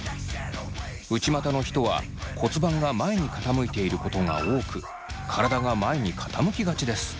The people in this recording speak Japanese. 内股の人は骨盤が前に傾いていることが多く体が前に傾きがちです。